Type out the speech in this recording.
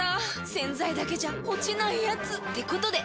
⁉洗剤だけじゃ落ちないヤツってことで。